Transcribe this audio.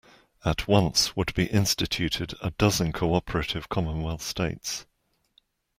At once would be instituted a dozen cooperative commonwealth states.